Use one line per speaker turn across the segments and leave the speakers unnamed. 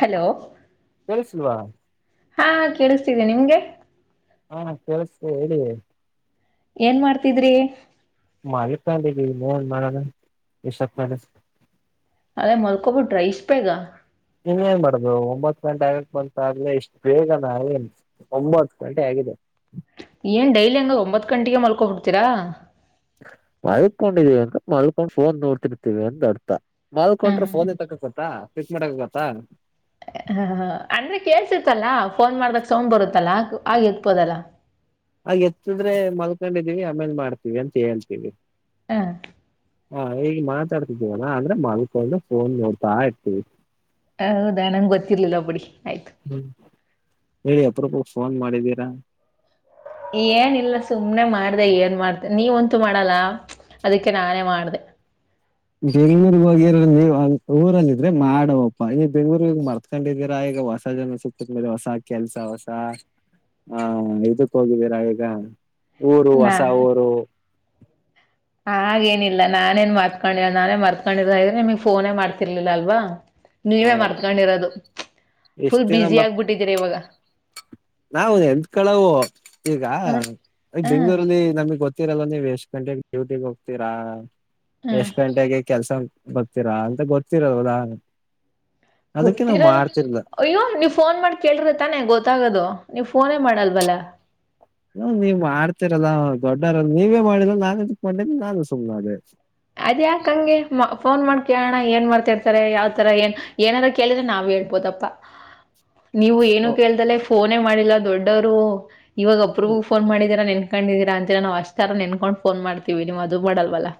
hello
ಕಳ್ಸಲ್ವಾ
ಹಾ ಕೇಳಿಸ್ತಿದೆ ನಿಮ್ಗೆ
ಹಾ ಕೇಳಸ ಹೇಳಿ
ಏನ್ ಮಾಡ್ತಿದ್ರಿ
ಮಾಡ ಪಾಲ ಮಾಡ ರಿಷಬ್ ಪ್ಯಾಲಸ್
ಅೇ ಮರಕೋಪಡ್ರೈಸ್ಪೆಗ
ನೀನ್ ಏನ್ ಮಾಡ್ದು ಒಂಬತ್ ಗಂಟೆ ಆಗಕ್ ಬಂತಾಗ್ಲಲೆ ಇಷ್ಟು ಬೇಗ ನ ಒಂಬತ್ ಗಂಟೆ ಆ ದ
ಏನ್ ಡೈಲಿ ಹಂಗ್ ಒಂಬತ್ ಗಂಟೆಗೆ ಮಲ್ಕೋ ಹಿಡ್ತೀರಾ
ಮಲ್ಕೊಂಡಿದೀವಿ ಅಂತ ಮಲ್ಕೊಂಡು ಫೋನ್ ನೋಡ್ತಿರ್ತೀವಿ ಅಂದ ಅರ್ಥ ಮಲ್ಕಂ್ರ
ಹ್ಮ್
ಫೋನ್ ಇ ತಕ ಗೊತ್ತಾ ಪಿಕ್ ಮಾಡಕ ಗೊತ್ತಾ
ಹ ಹಾ ಅಂದ್ರೆ ಕೇಳ್ಸಿತ್ತಲ್ಲಾ ಫೋನ್ ಮಾಡ್ದಾಗ ಸೌ್ ಬರುತ್ತಲ್ಲ ಆಗ ಎತ್ಪೋದಲ್ಲ
ಆ ಎತ್ತಿದ್ರೆ ಮಲ್ಕೊಂಡಿದಿವವಿ ಆಮೇಲ್ ಮಾಡ್ತೀವಿ ಅಂತ ಹೇಳ್ತೀವಿ
ಹ
ಹಾ ಈಗ ಮಾತಾಡ್ತಿದ್ದೇವಣ ಅ್ರೆ ಮಲ್ಕೊಂಡು ಫೋನ್ ನೋಡ್ತಾ ಇರ್ತೀವಿ
ಹೌದಾ ನಂಂಗಗೆ ಗೊತ್ತಿರ್ಲಿಲ್ಲ ಬಿುಡಿ
ಹ್ಮ್ ಹೇಳಿ ಅಪ್ರಪ ಫೋನ್ ಮಾಡಿದ್ದೀರಾ
ಏನ್ ಇಿಲ್ಲ ಸುಮ್ನೆ ಮಾಡ್ದ ಏನ್ ಮಾಡ್್ದ ನೀವಂತೂ ಮಾಡ ಮಾಡಲ್ಲಾ ಅದಕ್ಕೆ ನಾನೇ ಮಾಡಿದೆ
ಬೆಂಗ್ಳೂರ್ ಹೋಗಿರ ನೀವ ಊರಂದಿದ್ರೆ ಮಾಡವಪ್ಪಾ ನೀ ಬೆಂಗ್ಳೂರ್ ಹೋಗ ಮರ್ತ್ಕೊಂಡಿದೀರಾ ಈಗ ಹೊಸ ಜನ ಸಿಗ್ತದ ಮೇಲೆ ಹೊಸ ಕೆಲ್ಸ ಹೊಸ ಹಾ ಇದಕ್ ಹೋಗಿದ್ದೀರಾ ಈಗ ಊರು ಹೊಸ ಊರು
ಹಾಗೇನಿಲ್ಲಾ ನಾನೇನ್ ಮತ್ಕೊಂಡಿರ ನಾನೇ ಮರ್ತ್ಕೊಂಡಿರ ಹಾಗ್ರೆ ನಿಮಗ್ ಫೋನೇ ಮಾಡ್ತಿರ್ಲಿಲ್ಲ ಅಲ್ವಾ ನೀವೇ
ಹೌದು
ಮರ್ತ್ಕೊಂಡಿರೋದು
ಎಷ್ಟ್
ಫುಲ್ ಬುಸಿ ಆಗ್ಬಿಟ್ಟಿದ್ದೀರಿ ಇವಾಗ
ನಾವವು ಎಂಂತ ಕಳವು ಈಗ
ಹಾ
ಈ
ಹಾ
ಬೆಂಗ್ಗಳೂರಲ್ಲಿ ನಮಗ್ ಗೊತ್ತೀರಲ್ಲ ನೀ್ ಎಷ್ಟ್ ಗಂಟೆಗೆ ಡ್ಯೂಟಿಗ್ ಹೋಗ್ತೀರಾ
ಹಾ
ಎಷ್ಟ್ ಗಂಟೆಗೆ ಕೆಲ್ಸ ಬರ್ತೀರಾ ಅಂತ ಗೊತ್ತಿರದು ಉದಾಹ
ಗೊತ್ತಿರಲ್ಲ ಅಯ್ಯೋ ನೀವ್ ಫೋನ್ ಮಾಡಿ ಕೇಳ್ರಿ ತಾನೆ ಗೊತ್ತಾಗೋದು ನೀವು ಫೋನೇ ಮಾಡಲ್ವಲ್ಲ
ಹ ನೀವ್ ಮಾಡ್ತಿರಲ್ಲ ದೊಡ್ಡರಲ್ಲ ನೀವೇ ಮಾಡಿದ ನಾನು ಚಿಕ್ ಮಾಡಿದ ನಾನು ಸುಮ್ನೆ ಅದೇ
ಅದ್ಯಾಕಂಗೆ ಫೋನ್ ಮಾಡ್ ಕೇಳೋಣ ಏನ್ ಮಾಡ್ತಾ ಇರ್ತಾರೆ ಯಾವ್ತರ ಏನ್ ಏನಾದ್ ಕೇಳಿದ್ರೆ ನಾವ್ ಹೇಳ್ಬೋದಪ್ಪಾ ನೀವು ಏನು
ಓ
ಕೇಳ್ದಲ್ಲೆ ಫೋನೇ ಮಾಡಿಲ್ಲ ದೊಡ್ಡವರು ಇವಾಗ ಒಬ್ರಗೂ ಫೋನ್ ಮಾಡಿದೀರಾ ನೆನ್ ಕೊಂಡಿದೀರ ಅಂತ ನಾ್ ಅ್ ತರ ನೆನ್ಕೊಂಡು ಫೋನ್ ಮಾಡ್ತೀವಿ ನೀವು್ ಅದು ಮಾಡಲ್ವಲ್ಲ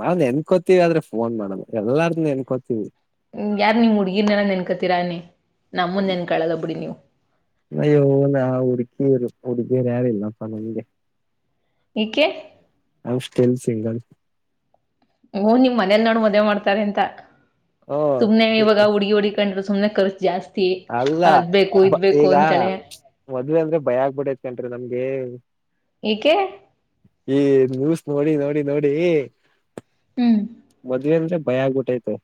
ನಾವ್ ನೆನ್ಕೋತಿೀವಿ ಆದ್ರೆ ಫೋನ್ ಮಾಡೋದು ಎಲ್ಲಾರ್ದ ನೆನ್ಕೋತಿೀವಿ
ಯಾರು ನೀವು ಹುಡ್ಗಿರ್ನಲ್ಲ ನೆನ್ಕತ್ತೀರಾನೆ ನಮ್ಮಂದ ನೆನ್ಕಳಲ್ಲ ಬಿಡಿ ನೀವು
ನಯ್ಯೋ ನ ಹುಡುಕಿಯರು ಹುಡುಗಿರು ಯಾರಿಲ್ಲ ಸ ನಂಗೆ
ಈಕ್ಕೆ
ಅ ಸ್ಟಿಲ್ ಸಿಂಗಲ್
ಓ್ಮ್ ಮನೇಲ್ ನೋಡ್ ಮದ್ ಮಾಡ್ತಾರೆ ಅಂತ
ಓ
ಸುಮ್ನೆ ಇವಾಗ ಹುಡುಗಿ ಹುಡಕಂಡ್ ತೊಮ್ಮನೆ ಕರ್ಜ ಜಾಸ್ತಿ
ಅಲ್ಲ
ಅದ್ ಬೇಕು ಇದ್ ಬೇಕು
ಈಗ
ಅಂತಳೆ
ಮದ್ವೆ ಅಂದ್ರೆ ಭಯ ಆಗ್ಬಿಡೇತ್ ಕಂ್ರಿ ನಮ್ಗೆ ಏ
ಈಏಕ್ಕೆ
ನ್ಯೂಸ್ ನೋಡಿ ನೋಡಿ ನೋಡಿ
ಹ್ಮ್
ಮದ್ ಭಯ ಆಗ್ಬಿಟ್ಟೈತೆ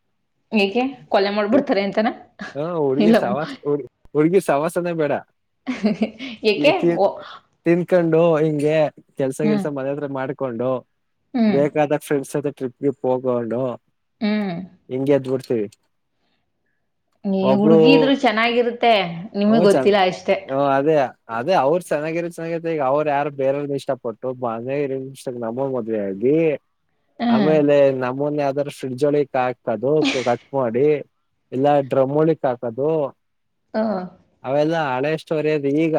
ಹಗೆ ಕೊಲೆ ಮಾಡ್ಬಿಡ್ತಾರೆ ಎಂತಾನ
ಹ
ಇಲ್ಲ
ಹುಡ್ಗಿರ್ ಸವಾಸ ಹುರ್ಗಿ ಸವಾಸನೇ ಬೇಡ
ಹ
ಈ ತಿ ತಿನ್ಕೊಂಡು ಹಿಂಗೆ ಕೆಲ್ಸ
ಹ್ಮ್
ಕೆಲ್ಸ ಮದತ್ರ ಮಾಡ್ ಹಕೊಂಡು
ಹ್ಮ್
ಬೇಕಾದ ಫ್ರೆಂಡ್ಸ್ ಜತೆ ಟ್ರಿಪ್ಗೆ ಗ್ರಿಪ್ ಹಗೊಂಡು
ಹ್ಮ್
ಹೆಂಗೆ ಆತ್ ಬಿಡ್ತೀವಿ
ನೀ ಹುಡ್ಗಿದ್ರು ಚೆನ್ನಾಗಿರುತ್ತೆ ನಿಮ್ಗೆ
ಅವ ಚ
ಗೊತ್ತಿಲ್ಲ ಅಷ್ಟೇ
ಚೆನ್ನಾಗಿರಿ ಚೆನ್ನಾಗ ಈಗ ಅವ್ರು ಯಾರು ಬೇರೆರ್ ಇಷ್ಟಪಟ್ಟು ಬನಗರಿ ಇಷ್ಟ ನಮ್ಮ ಮದ್ವೆ ಆಗಿ
ಹ್ಮ್
ಆಮೇಲೆ ನಮ್ಮನ್ ಯಾವ್ದಾರ ಫ್ರಿಡ್ಜ್ ಒಳಿಕ್ ಹಾಕದು ಕಟ್ ಮಾಡಿ ಎಲ್ಲಾ ಡ್ರಮಳಿಕ್ ಹಾಕದು
ಹ
ಅವೆಲ್ಲ ಹಳೆಷ್ಟುವರಿಯೋದು ಈಗ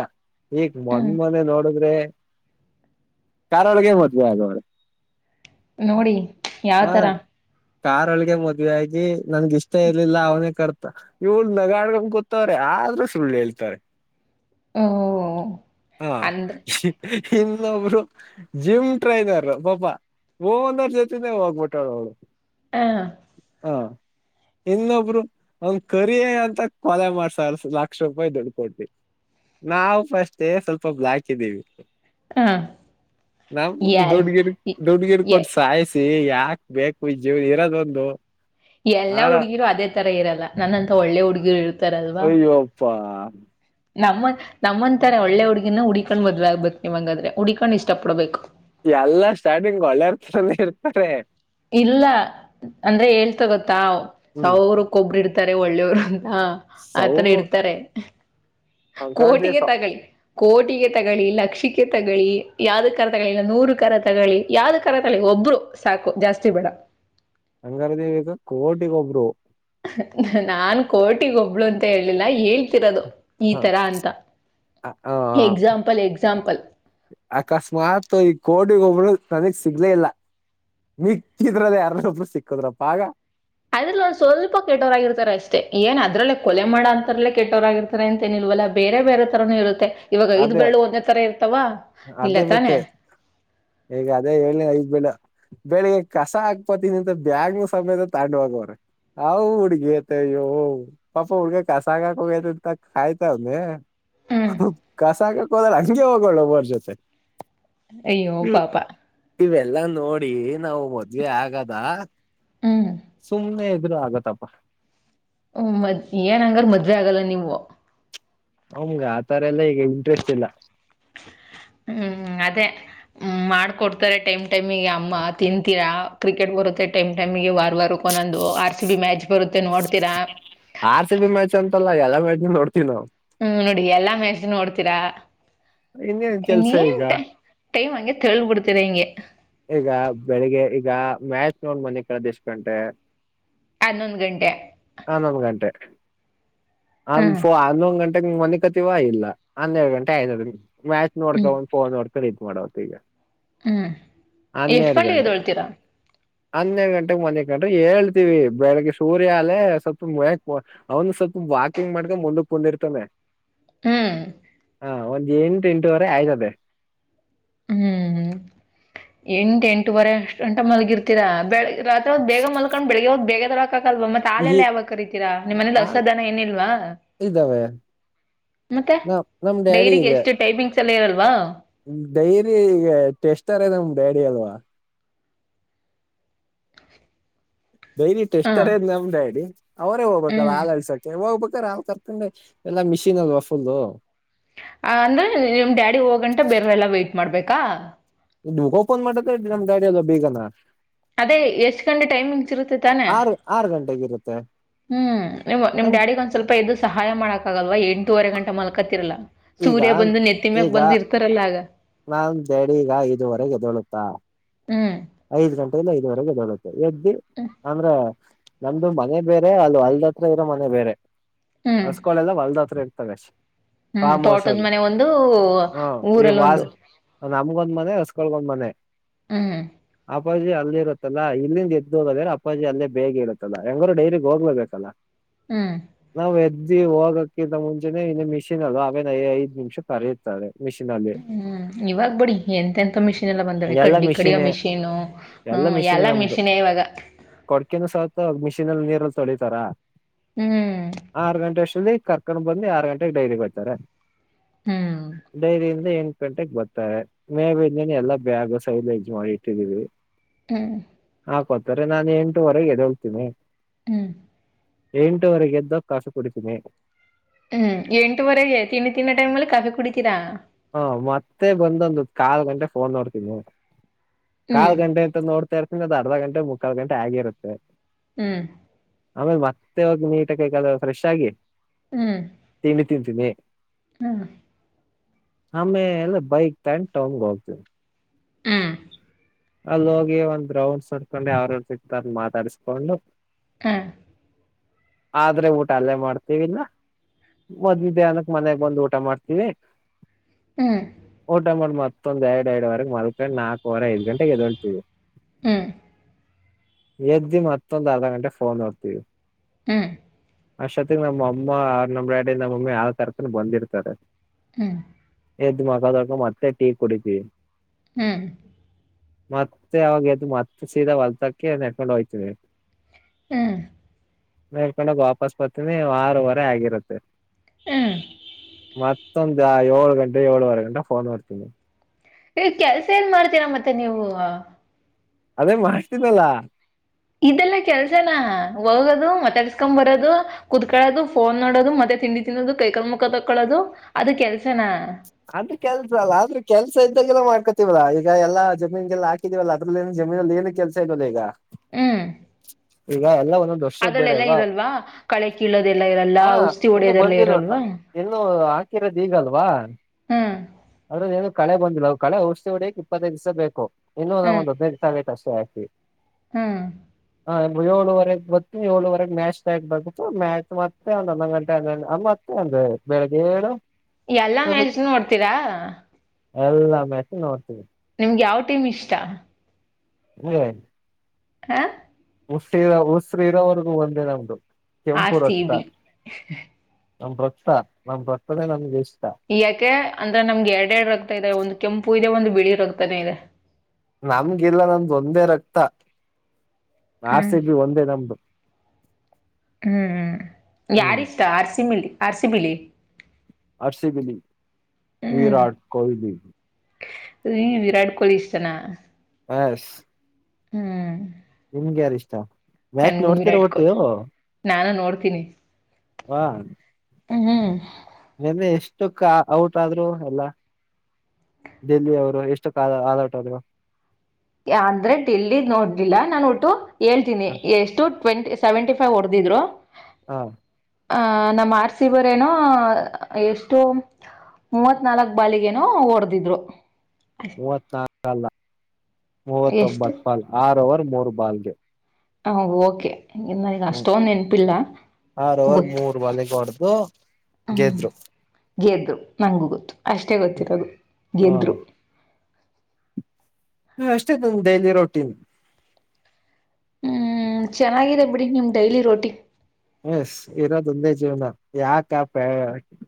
ಈಗ
ಹ್ಮ್
ಮೊಂದ ಮೊನೆ ನೋಡಿದ್ರೆ ಕಾರಳ ಕೆಮತ ಆಗ
ನೋಡಿ ಯಾವತರ
ಕಾರೋಳ್ಗೆ ಮದ್ವೆ ಆಗಿ ನನ್ಗ ಇಷ್ಟ ಇರ್ಲಿಲ್ಲ ಅವನೇ ಕರ್ತ ಇವ ನ ಗೊತ್ತವ್ರೆ ಆದ್ರೂ ಸುಳ್ಳ ಹೇಳ್ತಾರೆ
ಹ್ಮ
ಹಾ
ಅಂದ್ರೆ
ಇನ್ನೊಬ್ರು ಜಿಮ್ ಟ್ರೈನರ್ ಪಾಪ ವೋ ಅಂದರ್ ಜತಿ ನ ವಾಗಬಟಾಳು
ಹಾ
ಹಾ ಇನ್ನೊಬ್ರು ಅವನ್ ಕರಿ ಅಂತ ಕೊಲೆ ಮಾಡ್ಸರ್ ಲಕ್ಷ ರೂಪಾಯಿ ದುಡ್ಡು ಕೊಡ್ತಿ ನಾವವು ಪಷ್ಟೇ ಸ್ವಲ್ಪೊ ಬಲ ಹಾಕಿದ್ದೀವಿ
ಹ
ನವು
ಎಲ್
ದೌಡಗರಿ ದೌಡಗಿರಿ
ಎ
ಕೊಡ್ಸಾಯ ಯಾಕ್ ಬೇಕು ಜೀವ ಇರೋದೊಂದು
ಎಲ್ಲಾ
ಆರ
ಹುಡುಗಿರು ಅದೇ ತರ ಇರಲ್ಲ ನನ್ನಂತ ಒಳ್ಳೆ ಹುಡುಗಿರು ಇ
ಅಯ್ಯೋಪ್ಪಾ
ನಮ್ಮನ್ ನಮ್ಮಂಂತರ ಒಳ್ಳೆ ಹುಡ್ಗಿನನ ಹುಡಕೊಂಡ್ ಮದಗಗ್ಬತ್ ನೀವ್ಂಗಾದ್ರೆ ಹುಡ್ಕೊಂಡ್ ಇಷ್ಟ ಪಡ್ಬೇಕು
ಎಲ್ಲ ಸ್ಟಾರ್ಟಿಂಗ್ ಒಳ್ಳೆರ್ತರನ ಇರ್ತಾರೆ
ಇಲ್ಲ ಅಂದ್ರೆ ಹೇಳ್ತಗೊತ್ತಾವ
ಹ್ಮ್
ಸಾವ್ರಕ್ಕೊಬ್ರ ಇಡ್ತಾರೆ ಒಳ್ಳೆವ್ರು ಅಂತ ಹಾ ಆತನ
ಸೌರು
ಇಡ್ತಾರೆ ಕೋಟಿಗೆ
ಅಂಗಾರದೇವ
ತಗೊಳ್ಳಿ ಕೋಟಿಗೆ ತಗೊಳ್ಳಿ ಲಕ್ಷಕ್ಕೆ ತಗಳಿ ಯಾವ್ದ ಕರ ತಗಳಿಲ್ಲ ನೂರು ಕರ ತಗೊಳ್ಳಿ ಯಾವ್ದ ಕರ ತಗಳಿ ಒಬ್ರು ಸಾಕು ಜಾಸ್ತಿ ಬೇಡ
ಅಂಗಾರ ದೇವಿಗ ಕೋಟಿಗೊ ಒಬ್ರು
ನಾನ್ ಕೋಟಿಗ ಒಬ್ಳು ಅಂತ ಹೇಳೇಳ್ಲಿಲ್ಲ ಹೇಳ್ತಿರೋದು ಈ
ಹ
ತರ ಅಂತ
ಆ
ಎಕ್ಸಾಂಪಲ್ ಎಕ್ಸಾಂಪಲ್
ಅಕಸ್ಮಾತ್ ಈ ಕೋಡಿಗ ಒಬರು ನದಗ್ ಸಿಗ್ಲೇ ಇಲ್ಲ ನಿಕ್ತಿದ್ರಲ್ಲ ಎರಪ ಸಿಕ್ಕುದ್ರಪ್ಪ ಆಗ
ಅದ್ರಲ್ಲ ಒಂದ್ ಸ್ವಲ್ಪ ಕೆಟ್ಟೋರಾಗಿರ್ತಾರೆ ಅಷ್ಟೇ ಏನ್ ಅದ್ರಲ್ಲೇ ಕೊಲೆ ಮಾಡೋ ಅಂತರಲ್ಲೇ ಕೆಟ್ಟೋರಾಗಿರ್ತಾರ ಅಂತೇನಿಲ್ಲ ಇಲ್ಲ ಬೇರೆ ಬೇರೆ ತರಾನೂ ಇರುತ್ತೆ ಇವಾಗ ಇದು
ಅದೇ
ಬೆಳ್ಳು ಒಂದೇ ತರ ಇರ್ತಾವ ಇಲ್ಲ ತಾನೆ
ಹೇಗ ಅದೇ ಹೇಳಿ ಐಗ್ ಬೇಡ ಬೆಳಿಗ್ಗೆ ಕಸ ಹಾಕ್ಪತನಿ ಅಂತ ಬ್ಯಾಗ್ನ ಸಮೇತ ತಾಂಡು ಹೋಗವರ ಹ ಹುಡ್ಗಿ ತೆ ಅಯ್ಯೋ ಪಾಪ ಹುಡ್ಗಿ ಕಸಾಗಾಕ ಹೋಗತಿ ಅಂತ ಕಾಯ್ತವನನೆ
ಹ್ಮ್
ಕಸಕಕ್ ಹೋದ್ರ ಹಂಗೆ ಹೋಗೋ ಒಬ್ಬರ್ ಜೊತೆ
ಅಯ್ಯೋ
ಹ್ಮ್
ಪಾಪ
ಇವೆಲ್ಲಾ ನೋಡಿ ನಾವು ಮದ್ವೆ ಆಗದ
ಹ್ಮ್
ಸುಮ್ನೆ ಇದರು ಆಗತ್ತಪ್ಪ
ಹ್ಮ ಮದ್ ಏನ್ ಹಂಗಾರ ಮದ್ವೆ ಆಗಲ್ಲ ನೀವು
ಅವಮಗ ಆ ತರ ಎಲ್ಲಾ ಈಗ ಇಂಟ್ರೆಸ್ಟ್ ಇಲ್ಲ
ಹ್ಮ್ ಅದೇ ಹ್ಮ ಮಾಡ್ಕೊಡ್ತಾರೆ ಟೈಮ್ ಟೈಮಿಗೆ ಅಮ್ಮ ತಿಂತೀರಾ ಕ್ರಿಕೆಟ್ ಬರುತ್ತೆ ಟೈಮ್ ಟೈಮ್ಗೆ ವಾರ ವಾರಕ್ಕೊಂದು ಆರ್ ಸಿ ಬಿ ಮ್ಯಾಚ್ ಬರುತ್ತೆ ನೋಡ್ತೀರಾ
ಆರ್ ಸಿ ಬಿ ಮ್ಯಾಚ್ ಅಂತಲ್ಲ ಎಲ್ಲ ಮ್ಯಾಚ್ ನೋಡ್ತೀವಿ ನಾವು
ಹ್ಮ್ ನೋಡಿ ಎಲ್ಲಾ ಮೆಸನ್ ನೋಡ್ತೀರಾ
ಇನ್ನೇನ್ ಕೆಲ್ಸ ಈಗ
ಟೈಮ ಹಂಗೆ ತೆಳಿ ಕೊಡ್ತೀರಾಿಂಗೆ
ಈಗ ಬೆಳಿಗ್ಗೆ ಈಗ ಮ್ಯಾಚ್ ನೋಡ್ ಮಲ್ಕಾಲಾದು ಎಷ್ಟು ಗಂಟೆ
ಹನ್ನೊಂದು ಗಂಟೆ
ಹನ್ನೊಂದು್ಗಂಟೆ
ಹ್ಮ್
ಹನ್ನೊಂದುಗಂಟೆ ಮಲ್ಕೋತಿವಾ ಇಲ್ಲ ಹನ್ನೆರಡು ಗಂಟೆ ಆ ಮ್ಯಾಚ್ ನೋಡ್ಕ
ಹ್ಮ್
ಒ್ ೋ ನೋಡ್ ಖರೀದ ಮಾಡವತ್ತು ಈಗ
ಹ್ಮ್ ಎಷ್ಟ್
ಹನ್ನೆರಡು
ಗಂಟೆಗೆ
ಗಂಟೆ
ಎದ್ದೊಳ್ತೀರಾ
ಹನ್ನ ಗಂಟೆಗೆ ಮನೆ ಗಂಟ್ರೆ ಹೇಳ್ತೀವಿ ಬೆಳಿಗ್ಗೆ ಸೂರ್ಯ ಅಲೆ ಸ್ವಲ್ಪ ಮ ಅವ್ನು ಸ್ವಲ್ಪ ಬಾ ಚಕ್ಕಿಂಗ್ ಮಾಡ್ದ ಮುಂದಕ್ ಕುಂದಿರ್ತಾನೆ
ಹೂ
ಹಾ ಒಂದ್ ಎಂಟು ಎಂಟುವರೆ ಆಯ್ತದೆೇ
ಹೂ ಎಂಟ ಎಂಟುವರೆ ಅಷ್ಟ್ ಗಂಟ ಮಲಗಿರ್ತೀರಾ ಬೆಳಗ್ಗೆ ರಾತ್ರಿ ಬೇಗ ಮಲ್ಕೊಂಡ್ ಬೆಳಗ್ಗೆೋಗ ಬೇಗದರ ಹಕಲ್ವಾ ಮತ್ತತ್
ಈ
ಆಾಲೆಲ್ಲ ಯಾವಾಗ ಕರೀತೀರಾ ನಿಮ್ಮ್ನ
ಆ
ದಸಧನ ಏನಿಲ್ವಾ
ಇದ್ದಾವೆ
ಮತ್ತೆ
ನ ನಮ್ ಡ್ಯಾಡಿ
ಡೈರಿಗೆ
ಇದೆ
ಎಷ್ಟು ಟೈಪಿಂಗ್ಸ್ ಎಲ್ಲ ಇರಲ್ವಾ
ಡೈರಿ ಈಗ ಟೆಷ್ಟರ್ ನಮ ಡ್ಯಾಡಿ ಅಲ್ವಾ ದಯರಿಟ್ಟು
ಹ
ಎಷ್ಟರದ್ ನಮ್ ಡ್ಯಾಡಿ ಅವರೇ ಹೋಗ್ಬೇಕಲ್ಲ
ಹ್ಮ್
ಹಾಲ್ ಹಕ್ಸಕೆ ಹೋಗ್ಬೇಕು ತರ್ಕೊಂಡಿ ಎಲ್ಲಾ ಮಿಷಿನ್ ಅಲ್ವಾ ಫುಲ್
ಅಂದ್ರೆ ನಿಮ್ ಡ್ಯಾಡಿ ಹೋಗಂಟ ಬೇರೆಲ್ಲಾ ವೈಟ್ ಮಾಡ್ಬೇಕಾ
ಓಪನ್ ಮಾಡದ ನಮ್ ಗಾಡಿ ಎಲ್ಲ ಬೇಗನ
ಅದೇ ಎಷ್ಟ್ ಗಂಟೆ ಟೈಮಿಂಗ್ಸ್ ಇರುತ್ತೆ ತಾನೇ
ಆರ್ ಆರ್ ಗಂಟೆಗಿರುತ್ತೆ
ಹೂ ನಿ್ ನಿಮ್
ನಮ್
ಡ್ಯಾಡಿಗ ಒಂದ್ವಲ್ಪ ಎದು್ ಸಹಾಯ ಮಾಡಕ್ ಆಗಲ್ವಾ ಎಂಟೂವರೆ ಗಂಟೆ ಮಲ್ಕತಿರ್ಲ್ಲಾ
ಈಗ
ಸೂರ್ಯ ಬಂದು ನೆತ್ತಿಮ್ಯಕ್ ಬಂದ ಇರ್ತಾರಲ್ಲ ಆಗ
ನಾಂತಡಿ ಈಗ ಇದುವರೆಗೆದೊಳುತ್ತ
ಹ್ಮ್
ಐದ್ ಗಂಟಿಂದ ಐದವರೆಗೆ ಬರುತ್ತೆ ಎದ್ದಿ ಅಂದ್ರೆ ನಮ್ದು ಮನೆ ಬೇರೆ ಅದು ಹೊಲ್ದತ್ರ ಇರೋ ಮನೆ ಬೇರೆ
ಹ್ಮ್
ಅರ್ಸ್ಕಳೆಲ್ಲ ಹೊಲ್ದ ಹತ್ರ ಇರ್
ಹ್ಮ್ ತೋಟದ
ಫಾಮ್ಸದು
ಮನೆ ಒಂದು
ಹ ಈ ವಾಸ
ಊರಲ್ಲೊಂದು
ನಮಗೊಂದ್ ಮನೆ ಹೊಸ್ಕೊಳ್ಬಂದ್ ಮನೆ
ಹೂ
ಅಪ್ಪಾಜಿ ಅಲ್ಲಿ ಇರುತ್ತಲ್ಲಾ ಇಲ್ಲಿಂದ ಎದ್ದು ಹೋಗೋದ್ರೆ ಅಪ್ಪಾಜಿ ಅಲ್ಲೇ ಬೇಗ ಇರುತ್ತಲ್ಲ ಹೆಂಗಾರರು ಡೈಗ್ ಹೋಗ್ಲೇಬೇಕಲ್ಲ
ಹ್ಮ್
ನಾವು ಎದ್ದು ಸ್ದಿ ಹೋಗಕ್ಕಿಂತ ಮುಂಚೆನೆ ಇನ್ನು ಮಿಷಿನ್ ಅಲ್ಲಿ ಅವೇ ಐದ್ ನಿಮಿಷ ಕರೆಯುತ್ತಾರೆ ಮಿಷಿನ್ ಅಲ್ಲಿ
ಹೂ ಇವಾಗ್ ಬಡಿ ಎಂತೆ ಎಂತ ಮಿಷಿನ್ ಎಲ್ಲಾ ಬಂದಳ
ಎಲ್ಲಾ
ಕಡ್ಡಿ ಕಡಿಯ
ಮಿಷಿನೇ
ಮಿಷಿನ್ ಹೂ
ಎಲ್ಲಾ ಮಿಷಿನೇ
ಎಲ್ಲ
ನಮ್ದು
ಮಿಷನ್ ಇವಾಗ
ಚ ನೀರಲ್ಲಿ ತೊಳಿತಾರ
ಹ್ಮ್
ಆರು ಗಂಟೆ ಕರ್ಕೊಂಡ ಬಂದು ಆರು ಗಂಟೆಗೆ ಡೈರಿ ಕೊತಾರೆ
ಹ್ಮ್
ಡೈರಿ ಎಏನ್ ಗಂಟೆಗೆ ಬರ್ತಾರೆ ಮೇವ ಎಲ್ಲಾ ಬ್ಯಾಗ್ ಸೈಲೇಜ್ ಮಾಡಿ ಇಟ್ಟಿದೀವಿ
ಹಾ
ಇಪ್ಪತ್ತರೆ ನಾನು ಎಂಟೂುವರೆಗೆದ ಹೋಗಳ್ತೀನಿ
ಹೂ
ಎಂಟುವರೆಗೆದ್ದೋ ಕಾಫಿ ಕುಡಿತೀನಿ
ಹೂ ಎಂಟವರೆಗೆ ತಿನ್ನಿ ತಿನ್ನೋ ಟೈಮ್ಲ್ಲಿ ಕಾಫಿ ಕುಡಿತೀರಾ
ಹಾ ಮತ್ತೆ ಬಂದೊಂದು ಕಾಲು ಗಂಟೆ ಫೋನ್ ನೋಡ್ತೀನಿ
ಹ್ಮ್
ಕಾಲ್ ಗಂಟೆ ಅಂತ ನೋಡ್ತಾ ಇರ್ತೀನಿ ಅದು ಅರ್ಧ ಗಂಟೆ ಮುಕ್ಕಾಲ್ ಗಂಟೆ ಆಗಿರುತ್ತೆ
ಹೂ
ಆಮೇಲೆ ಮತ್ತೆ ಹೋಗಿ ನೀಟಕಲ್ ಫ್ರೆಶ್ ಆಗಿ
ಹೂ
ಿದ್ದೀನಿ
ಹಾ
ಆಮೇಲೆ ಬೈಕ್ ತಗೊಂಡು ಟೋಲ್ ಗೆ ಹೋಗ್ತೀನಿ
ಹೂ
ಅಲ್ಲಿ ಹೋಗಿ ಒಂದ್ ದ್ರೌಂಡ್ ಸಡ್ಕೊಂಡು ಯ್ರ ಸಿಗ್ತಾರ ಮಾತಾಡಿಸಕೊಂಡು
ಹಾ
ಆದ್ರೆ ಊಟ ಅಲ್ಲೇ ಮಾಡ್ತೀವಿಲ್ಲ ಮದ್ವಿಧ್ಯಾಹ್ನಕ್ ಮನ್ಯಾಗ ಬಂದು ಊಟ ಮಾಡ್ತೀವಿ ಊಟ ಮಾಡ್ ಮತ್ತೊಂದ್ ಎರಡ್ರಡ್ ವರೆಗೆ ಮಲ್ಕಂಡ್ ನಾಕಕ್ವರೆ ಐ್ ಗಂ ಹೇಗೆ ದೊಡ್ತೀವಿ ಎ್ದಮತ್ತ ಆಧಾ ಟೆ ಫೋನ್ ಹತ
ಹ್ಮ್
ಅಷ್ಟೊತ್ತಿಗೆ ನಮ್ಮ ಅಮ್ಮ ನಮ್ ಡ್ಯಾಡಿ ನಮ್ಮಮ್ಮಿ ಯಾವ ತರಕನ ಬಂದಿರ್ತಾರೆ
ಹ್ಮ
ಎದು ಮಾಡಕ್ಕದಕ್ಕ ಮತ್ತೆ ಟೀ ಕುಡತ
ಹ್ಮ್
ಮತ್ತೆ ಅವಾಗ ಎದ್ದು ಮತ್ತೆ ಸೀದಾ ಹೊಲ್ತಕ್ಕೆ ನೆಡ್ಕೊಂಡ ಹೋಗ್ತೀವಿ
ಹ್ಮ
ಮೇಲ್ಕೊಂಡೋಗ ವಾಪಸ್ ಬರ್ತೀನಿ ಆರವರೆ ಆಗಿರುತ್ತೆ ಮತ್ತೊಂದು ಏಳು ಗಂಟೆ ಏಳುವರೆ ಗಂಟೆ ಫೋನ್ ನೋಡ್ತೀನಿ
ನೀವ್ ಕೆಲ್ಸ ಏನ್ ಮಾಡ್ತೀರಾ ಮತ್ತೆ ನೀವು
ಅದೇ ಮಾಡ್ತಿನಲ್ಲ
ಇದೆಲ್ಲ ಕೆಲ್ಸನಾ ಹೋಗೋದು ಮಾತಾಡ್ಸ್ಕೊಂಡು ಬರೋದು ಕೂತ್ಕೊಳ್ಳೋದು ಫೋನ್ ನೋಡೋದು ಮತ್ತೆ ತಿಂಡಿ ತಿನ್ನೋದು ಕೈ ಕಾಲು ಮುಖ ತಕ್ಕೊಳೋದು ಅದ ಕೆಲ್ಸನಾ
ಆದ್ರೆ ಕೆಲ್ಸ ಅಲ್ಲ ಆದ್ರೂ ಕೆಲ್ಸ ಇದ್ದಾಗೆಲ್ಲ ಮಾಡ್ಕೊತಿವಲ್ಲ ಈಗ ಎಲ್ಲಾ ಜಮೀನ್ಗೆಲ್ಲ ಹಾಕಿದಿವವಲ್ಲ ಅದ್ರಲ್ಲ ಏ ಜಮೀನ್ ಅಲ್ಲಿ ಏನ್ ಕೆಲಸ ಇಲ್ವಲ್ಲ ಈಗ
ಹ್ಮ
ಈಗ ಎಲ್ಲ ಇನ್ನೊಂದು ವರ್ಷದ ಬೇಡ ಅಲ್ಲವಾ
ಕಳೆ ಕೀಳೋದೆಲ್ಲ ಇರಲ್ಲ
ಹ
ಔಷಧಿ
ಇನ್ನು
ಹೊಡೆಯೋದೆಲ್ಲ
ಬಂದಿಲ್ಲ
ಇರಲ್ವಾ
ಇನ್ನು ಆ ಹಾಕಿರೋದು ಈಗಲ್ವಾ
ಹ್ಮ್ಮ್
ನು ಕಳೆ ಬಂದಿಲ್ಲ ಅವುಳ ಔಷಿ ಹೊಡಕ್ಕೆ ಇಪ್ಪತ್ತದು ದಿವಸ ಬೇಕು ಇನ್ನು ನ
ಹ್ಮ್
ಒಂದು ಹದಿನೈದು ದಿಸಾ ಆಗೈತಿ ಚಸ ಆಿ [inaudible]
ಹ್ಮ್
ಹ ಏಳುವರೆಗೆ ಬರ್ತೀನಿ ಏಳುವರೆಗೆ ಮ್ಯಾಚ್ ಸ್ಟಾರ್ಟ್ ಆಗಬೇಕು ಮ್ಯಾಚ್ ಮತ್ತೆ ಒಂದೊ ಹನ್ನೊಂದು ಗಂಟೆ ಮತ್ತೆ ಅಂದ್ರೆ ಬೆಳಿಗ್ಗೆ ಏಳು
ಎಲ್ಲಾ ಮ್ಯಾಚ್ ನೂ ನೋಡ್ತೀರಾ
ಎಲ್ಲಾ ಮ್ಯಾಚ್ ನೋಡ್ತೀವಿ
ಯಾವ್ ಟೀಮ್ ಇಷ್ಟ
ಹ್ಮ್ [inaudible]
ಹ
ಉಸ್ರಿರ ಉಸ್ರರಿರೋವರೆಗೂ ಒಂದೇ ನಮ್ದು
ಆರ್
ಕೆಂಪು
ಸಿ
ರಕ್ತ
ಬಿ
ನಮ್ ರಕ್ತ ನಮ್ ರಕ್ತಧೆ ನಮಗೆ ಎಷ್ಟ
ಈ ಯಾಕೆ ಅಂದ್ರೆ ನಮ್ಗೆ ಎರಡ್ ಎರಡು ರಕ್ತ ಇದೆ ಒಂದು ಕೆಂಪು ಇದೆ ಒಂದು ಬಿಳಿ ರಕ್ತಾನೇ ಇದೆ
ನಮ್ಗೆಲ್ಲ ನಮ್ದು ಒಂದೇ ರಕ್ತ
ಹ್ಮ್
ಆರ್‌ಸಿಬಿ ಒಂದೇ ನಮ್ದು
ಹ್ಮ್
ಹ್ಮ್
ಯಾರಿಷ್ಟ ಆರ್‌ಸಿಬಿಲಿ ಆರ್‌ಸಿಬಿಲಿ
ಆರ್ಸಿಬಿಲಿ ವರಾಟ್ ಕೊಹ್ಲಿ
ವಿರಾಟ್ ಕೊಹ್ಲಿ ಇಷ್ಟನಾ
ಎಸ್
ಹ್ಮ್
ನಿಮ್ಗೆ ಯಾರ ಇಷ್ಟ ಮ್ಯಾಚ್
ನನ್ಗೂ
ನೋಡ್ತಿರಾ
ವಿರಾಟ್
ಒಟ್ಟು
ಕೊಹ್ಲಿ
ನೀವೂ
ನಾನು ನೋಡ್ತೀನಿ
ವಾ
ಹ್ಮ್ ಹ್ಮ್
ನಿನ್ನೆ ಎಷ್ಟಕ್ಕ ಔಟ್ ಆದ್ರರು ಎಲ್ಲಾ ಡೆಲ್ಲಿ ಅವರು ಎಷ್ಟು ಕಾಲ ಆಲಾಟರು
ಅಂದ್ರೆ ಡೆಲ್ಲಿ ನೋಡ್ಲಿಲ್ಲ ನಾನು ಒಟ್ಟು ಹೇಳ್ತೀನಿ ಎಷ್ಟು ಟ್ವೆಂಟಿ ಸೆವೆಂಟಿ ಹೊಡೆದಿದ್ರು
ಹಾ
ಅಹ ನಮ್ಮ್ ಆರ್ಸಿಬೀರೇನೋ ಎಷ್ಟು ಮೂವತ್ ನಾಲ್ಕ್ ಬಾಲಿಗೇನು ಓಡದಿದ್ರು
ಮೂವತ್ತನಾಲ್ಕಲ್ಲ
ಎಷ್ಟು
ಮೂವತ್ತೊಂಬತ್ ಬಾಲ್ ಆರ್ ಓವರ್ ಮೂರ್ ಬಾಲ್ಗೆ
ಹ ಓಕೆ ನನಗೆ ಅಷ್ಟೊನ್ ನೆನಪಿಲ್ಲ
ಆರ್ ಓವರ್
ಗೊತ್ತು
ಮೂರ್ ಬಾಲಿಗೆ ಹೊಡೆದು ಗೆದ್ರು
ಗೆದ್ರು ನಂಗೂ ಗೊತ್ತು ಅಷ್ಟೇ ಗೊತ್ತಿರೋದು ಗೆದ್ರು
ಹ ಅಷ್ಟೇ ನಮ ಡೈಲಿ ರೊಟೀನ್
ಹ್ಮ್ ಚೆನ್ನಾಗಿದೆ ಬಿಡಿ ನಿಮ್ ಡೈಲಿ ರೋಟಿ
ಹ ಇರೋದೊಂದೇ ಜೀವನ ಯಾಕಾಪ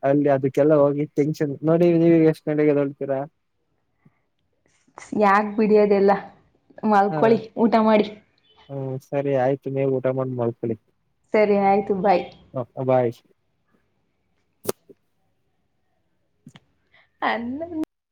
ಅಲ್ಲಿ ಅದಕ್ಕೆಲ್ಲ ಹೋಗಿ ಟೆನ್ಷನ್ ನೋಡಿ ನೀವಗ ಎಷ್ಟು ಕಡೆಿಗೆಗೆದೋಳ್ತೀರಾ
ಯಾಕ್ ಬಿಡಿಯೋದೆಲ್ಲ
ಹ
ಮಲ್ಕೊಳ್ಳಿ ಊಟ ಮಾಡಿ
ಅಷ್ಟ ಮೇ [unintelligible] ಊಟ ಮಾಡ್ ಮಾಡ್ಕೊಳ್ಳಿ
ಸರಿ ಆಯ್ತು ಬಾಯ್
ಬಾಯ್
ಅ [unintelligible]